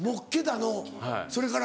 それから？